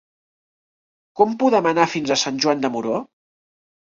Com podem anar fins a Sant Joan de Moró?